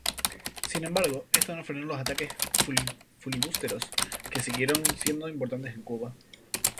Sin embargo, esto no frenó los ataques filibusteros, que siguieron siendo importantes en Cuba.